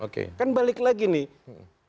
kan balik lagi nih